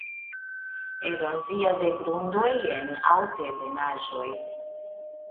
Erozio de grundoj en altebenaĵoj.